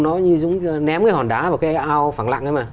nó như giống như ném cái hòn đá vào cái ao phẳng lặng ấy mà